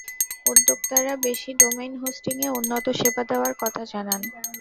উদ্যোক্তারা দেশি ডোমেইন হোস্টিংয়ে উন্নত সেবা দেওয়ার কথা জানান।